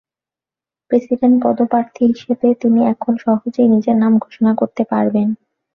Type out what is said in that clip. President পদপ্রার্থী হিসেবে তিনি এখন সহজেই নিজের নাম ঘোষণা করতে পারবেন।